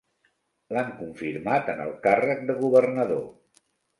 L'han confirmat en el càrrec de governador.